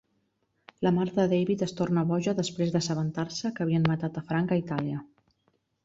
La mare de David es torna boja després d'assabentar-se que havien matat a Frank a Itàlia.